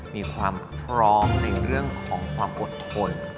มีความพร้อมในเรื่องของความอดทน